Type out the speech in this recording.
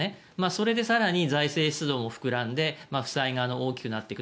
それで更に財政出動も膨らんで負債も大きくなってくる。